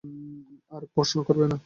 আর প্রশ্ন করবে না।